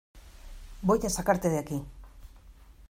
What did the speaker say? Voy a sacarte de aquí.